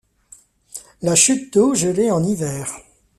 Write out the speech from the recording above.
La chute d'eau gelée en hiver.